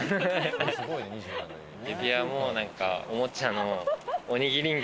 指輪もおもちゃのおにぎりん